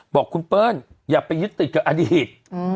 บอกคุณเปิ้ลอย่าไปยึดติดกับอดีต